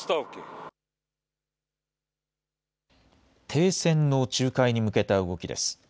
停戦の仲介に向けた動きです。